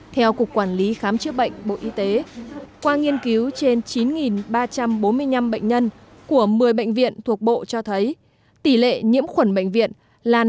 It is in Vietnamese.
theo cục quản lý khám chữa bệnh bộ y tế qua nghiên cứu trên chín ba trăm bốn mươi năm bệnh nhân của một mươi bệnh viện thuộc bộ cho thấy tỷ lệ nhiễm khuẩn bệnh viện là năm mươi